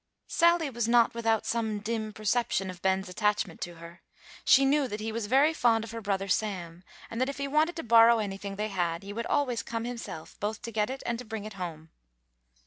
Sally was not without some dim perception of Ben's attachment to her. She knew that he was very fond of her brother Sam; and that if he wanted to borrow anything they had, he would always come himself, both to get it and to bring it home.